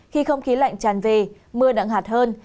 khi không khí lạnh tràn về mưa nặng hạt hơn